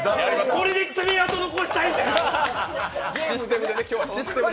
これで爪痕残したいんだよ。